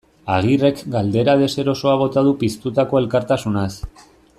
Agirrek galdera deserosoa bota du piztutako elkartasunaz.